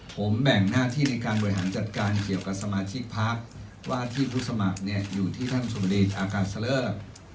ผมแบ่งหน้าที่ในการบริหารจัดการเกี่ยวกับสมาชิกพักว่าที่ผู้สมัครอยู่ที่ท่านสุมรีอาการเสลอร์